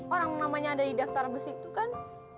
orang namanya ada di daftar besi itu kan